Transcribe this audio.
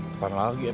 depan lagi ya